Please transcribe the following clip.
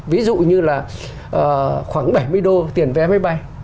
ví dụ như là khoảng bảy mươi đô tiền vé máy bay